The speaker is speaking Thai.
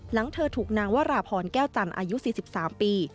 หลังเธอถูกนางวราพรแก้วจันทร์อายุ๔๓ปี